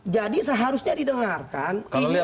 jadi seharusnya didengarkan